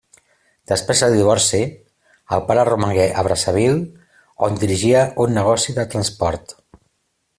Després del divorci, el pare romangué a Brazzaville on dirigia un negoci de transport.